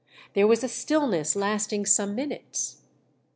There was a still ness lasting some minutes.